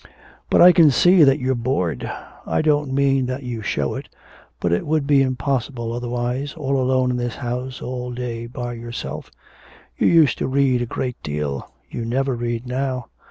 'But I can see that you're bored. I don't mean that you show it. But it would be impossible otherwise, all alone in this house all day by yourself. You used to read a great deal. You never read now.